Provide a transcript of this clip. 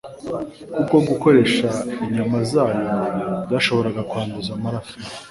kuko gukoresha inyama zayo byashoboraga kwanduza amaraso;